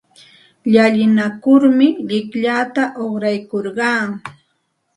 Llalinakurmi llikllata uqraykurqaa.